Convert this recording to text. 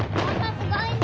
すごいね。